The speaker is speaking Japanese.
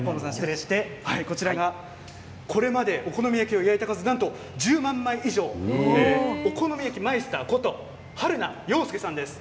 こちらがこれまでお好み焼きを焼いた数なんと１０万枚以上お好み焼きマイスターこと春名陽介さんです。